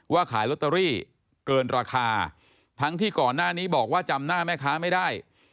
ขายลอตเตอรี่เกินราคาทั้งที่ก่อนหน้านี้บอกว่าจำหน้าแม่ค้าไม่ได้